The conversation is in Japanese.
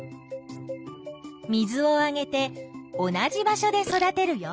水をあげて同じ場所で育てるよ。